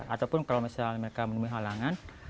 ataupun kalau misalnya mereka menemui halangan